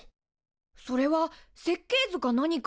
それは設計図か何か？